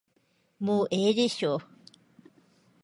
もうええでしょう。